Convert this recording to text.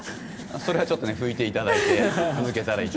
それはちょっと拭いていただけたらと。